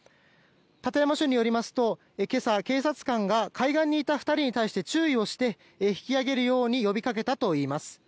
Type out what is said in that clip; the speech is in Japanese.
館山署によりますと今朝警察官が海岸にいた２人に対して注意をして、引き揚げるように呼びかけたといいます。